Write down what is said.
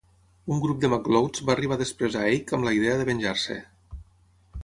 Un grup de MacLeods va arribar després a Eigg amb la idea de venjar-se.